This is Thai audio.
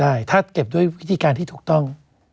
ใช่ถ้าเก็บด้วยวิธีการที่ถูกต้อง